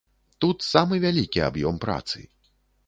Тут самы вялікі аб'ём працы.